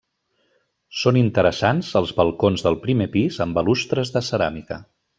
Són interessants els balcons del primer pis, amb balustres de ceràmica.